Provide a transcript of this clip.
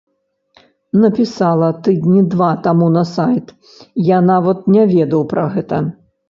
Напісала тыдні два таму на сайт, я нават не ведаў пра гэта.